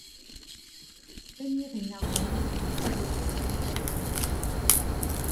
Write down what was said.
Tenir une arme en main peut provoquer certains personnages.